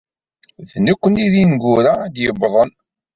D nekkni i d ineggura i d-yewwḍen.